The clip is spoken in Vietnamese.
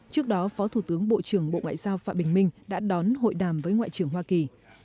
trước đó phó thủ tướng bộ trưởng bộ ngoại giao phạm bình minh đã đón hội đàm với ngoại trưởng hoa kỳ